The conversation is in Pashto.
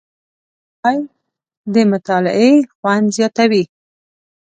چای د مطالعې خوند زیاتوي